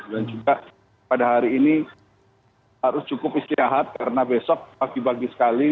dan juga pada hari ini harus cukup istiahat karena besok pagi pagi sekali